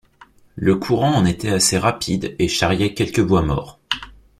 Le courant en était assez rapide et charriait quelques bois morts